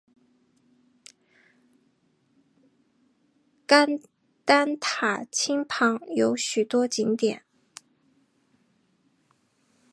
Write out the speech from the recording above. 甘丹塔钦旁边有许多景点。